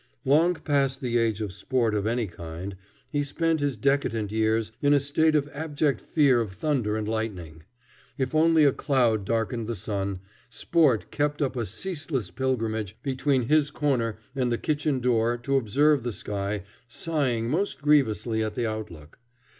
Long past the age of sport of any kind, he spent his decadent years in a state of abject fear of thunder and lightning. If only a cloud darkened the sun, Sport kept up a ceaseless pilgrimage between his corner and the kitchen door to observe the sky, sighing most grievously at the outlook.